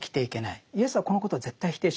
イエスはこのことを絶対否定しないですね。